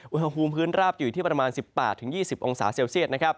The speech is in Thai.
อุณหภูมิพื้นราบจะอยู่ที่ประมาณ๑๘๒๐องศาเซลเซียต